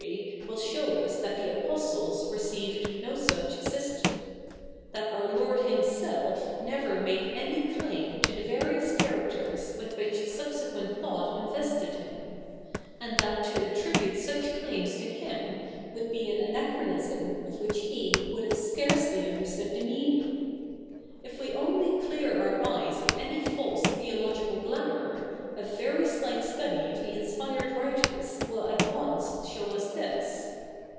y ivill show us that the Apostles 7'eceived no such sy stent ; that our Lord Himself ?iever made a?ty claim to the various characters with which sub sequent thought invested Hi)n ; a?id that to attribute such claims to Him would be an anachronism of which He would have scarcely understood the 7nea?ii?ig. If we only clear our eyes of any false theological glamour, a very slight study of the i?ispired writers will at once show us this.